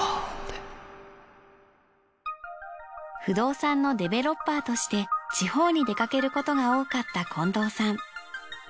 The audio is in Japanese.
不動産のデベロッパーとして地方に出かけることが多かった近藤さん。